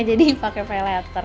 jadi pakai pay later